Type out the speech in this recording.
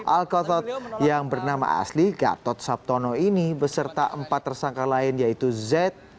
al kotot yang bernama asli gatot sabtono ini beserta empat tersangka lain yaitu z